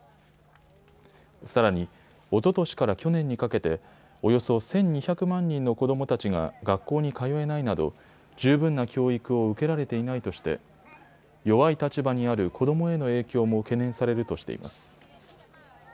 さらに、おととしから去年にかけておよそ１２００万人の子どもたちが学校に通えないなど十分な教育を受けられていないとして弱い立場にある子どもへの影響も懸念されるとしています。